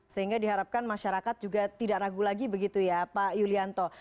sehingga diharapkan masyarakat juga tidak ragu lagi begitu ya pak yulianto